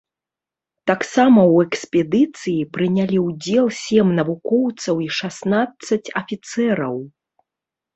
Таксама ў экспедыцыі прынялі ўдзел сем навукоўцаў і шаснаццаць афіцэраў.